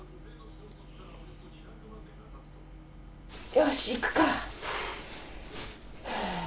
よしいくか。